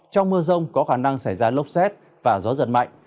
trong mưa rông có khả năng xảy ra lốc xét và gió giật mạnh